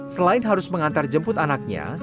selain harus mengantar jemput anaknya